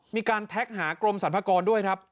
มีการแท็กหากรมสรรพากรด้วยครับ